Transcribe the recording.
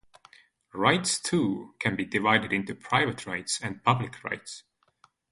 Rights, too, can be divided into "private rights" and "public rights".